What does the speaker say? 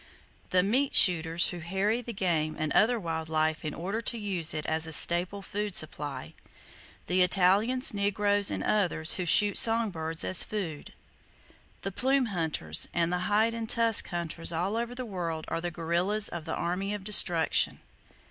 The meat shooters who harry the game and other wild life in order to use it as a staple food supply; the Italians, negroes and others who shoot song birds as food; the plume hunters and the hide and tusk hunters all over the world are the guerrillas of the Army of Destruction.